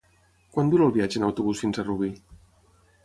Quant dura el viatge en autobús fins a Rubí?